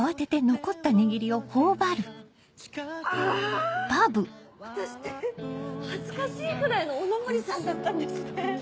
あ私って恥ずかしいくらいのおのぼりさんだったんですね。